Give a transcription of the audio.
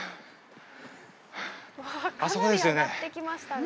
あそこですよね。